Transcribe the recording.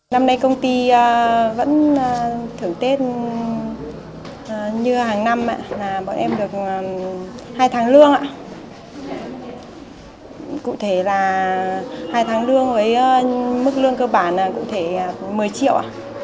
năm nay công ty vẫn thưởng tết như hàng năm bọn em được hai tháng lương cụ thể là hai tháng lương với mức lương cơ bản là một mươi triệu